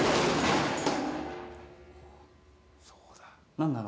何なの？